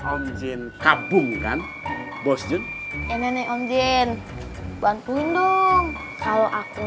anjay kayak mulauer nanti di burung pake baju en